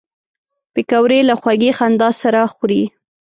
پکورې له خوږې خندا سره خوري